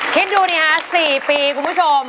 คิดดูดิฮะ๔ปีคุณผู้ชม